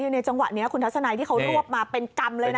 ในจังหวะนี้คุณทัศนัยที่เขารวบมาเป็นกรรมเลยนะ